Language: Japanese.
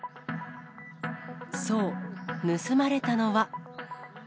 そう、盗まれたのは。